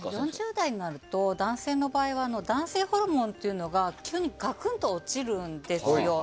４０代になると男性は男性ホルモンが急にガクンと落ちるんですよ。